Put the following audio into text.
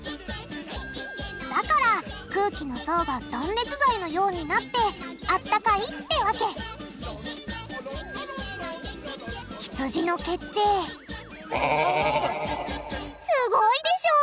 だから空気の層が断熱材のようになってあったかいってわけひつじの毛ってすごいでしょ！